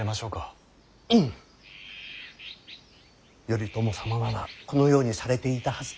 頼朝様ならこのようにされていたはず。